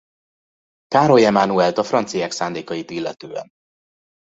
Károly Emánuelt a franciák szándékait illetően.